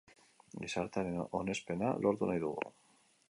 Gizartearen onespena lortu nahi dugu.